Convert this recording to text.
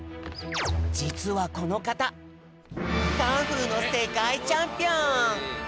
じつはこのかたカンフーのせかいチャンピオン！